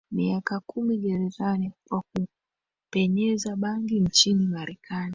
miaka kumi gerezani kwa kupenyeza bangi nchini Marekani